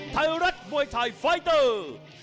ไทยรัฐมวยไทยไฟเตอร์